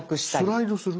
スライドする？